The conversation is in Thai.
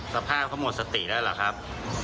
สภาพเขาหมดสติได้หรอครับ